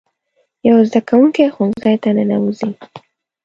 یو زده کوونکی ښوونځي ته ننوځي.